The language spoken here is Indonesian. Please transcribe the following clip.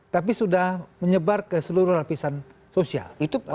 tapi sudah menyebar ke seluruh lapisan sosial